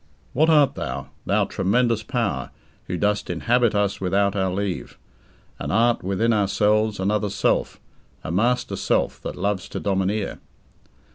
What art thou, thou tremendous power Who dost inhabit us without our leave, And art, within ourselves, another self, A master self that loves to domineer?